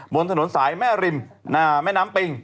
บนถนนสายแม่น้ำปิ้ง